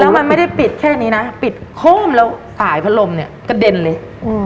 แล้วมันไม่ได้ปิดแค่นี้นะปิดโค้มแล้วสายพัดลมเนี่ยกระเด็นเลย